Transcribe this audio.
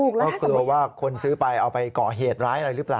เพราะกลัวว่าคนซื้อไปเอาไปก่อเหตุร้ายอะไรหรือเปล่า